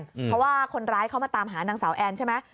เพราะว่าคนร้ายเขามาตามหานางสาวแอนใช่ไหม